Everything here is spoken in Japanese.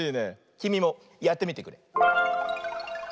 きみもやってみてくれ。